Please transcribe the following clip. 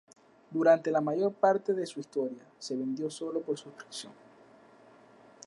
Durante la mayor parte de su historia, se vendió sólo por suscripción.